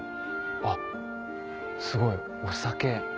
あっすごいお酒。